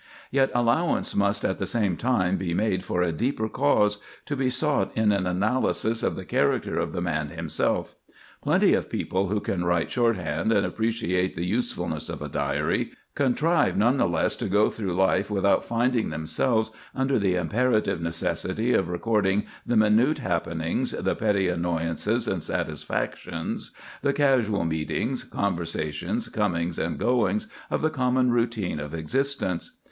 Yet allowance must at the same time be made for a deeper cause, to be sought in an analysis of the character of the man himself. Plenty of people who can write short hand and appreciate the usefulness of a diary, contrive none the less to go through life without finding themselves under the imperative necessity of recording the minute happenings, the petty annoyances and satisfactions, the casual meetings, conversations, comings and goings of the common routine of existence.